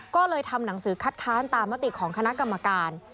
ก็เลยทำหนังสือคัดค้านตามมติของคณะกรรมการ